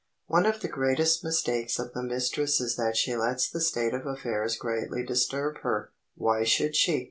One of the great mistakes of the mistress is that she lets the state of affairs greatly disturb her. Why should she?